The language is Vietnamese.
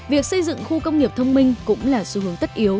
việc xây dựng khu công nghiệp thông minh cũng là xu hướng tất yếu